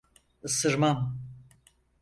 Isırmam.